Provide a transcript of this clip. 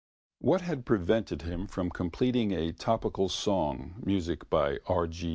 What had prevented him from completing a topical song (music by R. G.